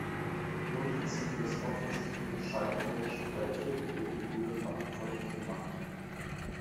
Nun wird sie für das offensichtliche Scheitern der Gespräche über Gebühr verantwortlich gemacht.